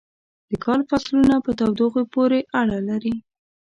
د کال فصلونه په تودوخې پورې اړه لري.